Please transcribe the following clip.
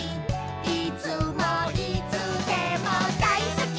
「いつもいつでも大好き！」